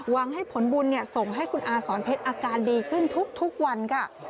หวังให้ผลบุญส่งให้คุณอาสอนเพชรอาการดีขึ้นทุกวันค่ะ